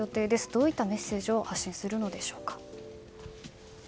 どういったメッセージを発信するのでしょうか。